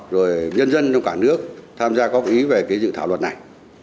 rồi nhân dân trong cả nước tham gia góp ý về cái dự thảo luật này